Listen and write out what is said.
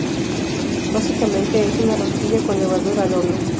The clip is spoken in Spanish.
Básicamente es una rosquilla con levadura al horno.